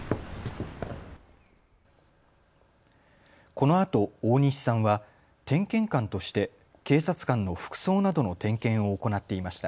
このあと大西さんは点検官として警察官の服装などの点検を行っていました。